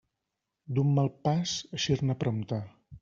D'un mal pas, eixir-ne prompte.